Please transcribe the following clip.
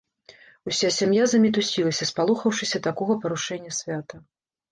Уся сям'я замітусілася, спалохаўшыся такога парушэння свята.